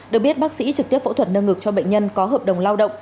được biết bác sĩ trực tiếp phẫu thuật nâng ngực cho bệnh nhân có hợp đồng lao động